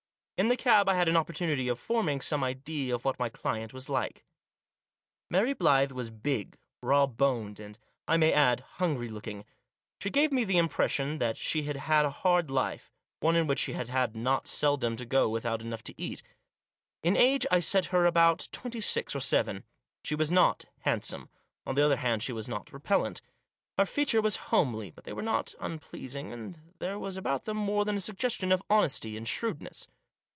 In the cab I had an opportunity of forming some idea of what my client was like. Mary Blyth was big, rawboned, and, I may add, hungry looking. She gave me the impression that she had had a hard life, one in which she had had not seldom to go without enough to eat In age I set her down as twenty six or seven. She was not handsome ; on the other hand she was not repellent. Her features were homely, but they were not unpleasing, and there was about them more than a suggestion of honesty and shrewdness.